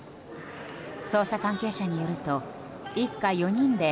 捜査関係者によると一家４人で